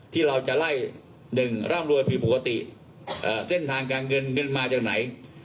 ที่เราจะไล่หนึ่งร่ำรวยผิดปกติเส้นทางการเงินเงินมาจากไหน